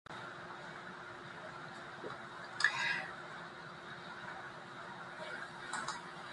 Plašākā skatījumā uz jūras transporta drošību man jāpiemin nesenie pirātisma akti Adenas līcī.